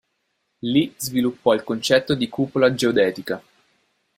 Lì sviluppò il concetto di cupola geodetica.